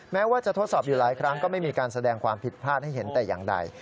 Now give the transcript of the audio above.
แม้ว่าจะทดสอบอยู่หลายครั้งก็ไม่มีการแสดงความผิดพลาดให้เห็นแต่อย่างใด